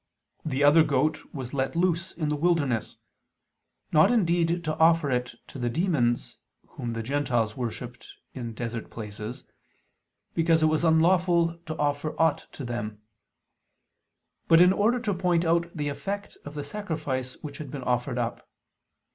The other goat was let loose into the wilderness: not indeed to offer it to the demons, whom the Gentiles worshipped in desert places, because it was unlawful to offer aught to them; but in order to point out the effect of the sacrifice which had been offered up.